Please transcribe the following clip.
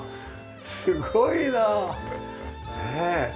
すごいな！ねえ。